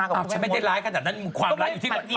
ฉันไม่ได้ร้ายขนาดนั้นความร้ายอยู่ที่